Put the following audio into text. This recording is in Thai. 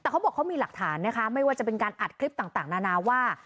แต่เขาบอกเขามีหลักฐานนะคะไม่ว่าจะเป็นการอัดคลิปต่างนานาว่า